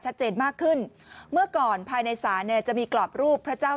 ชัดเจนมากขึ้นเมื่อก่อนภายในศาลเนี่ยจะมีกรอบรูปพระเจ้า